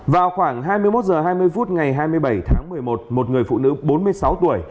vào khoảng hai mươi một h hai mươi phút ngày hai mươi bảy tháng một mươi một một người phụ nữ bốn mươi sáu tuổi